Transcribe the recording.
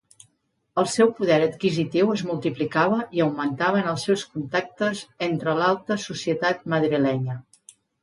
El seu poder adquisitiu es multiplicava i augmentaven els seus contactes entre l'alta societat madrilenya.